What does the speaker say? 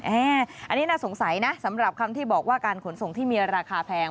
อันนี้น่าสงสัยนะสำหรับคำที่บอกว่าการขนส่งที่มีราคาแพง